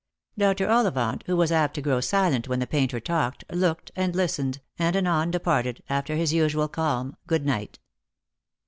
Dr. Olli vant, who was apt to grow silent when the painter talked, looked and listened, and anon departed, after his usual calm good night.